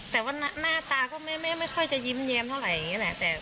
แต่ว่าหน้าตาก็ไม่ค่อยจะยิ้มแย้มเท่าไหร่อย่างนี้แหละ